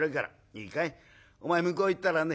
いいかいお前向こう行ったらね